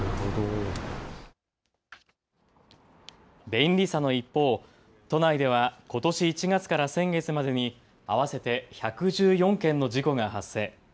便利さの一方、都内ではことし１月から先月までに合わせて１１４件の事故が発生。